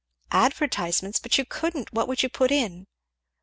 "Advertisements! But you couldn't what would you put in?"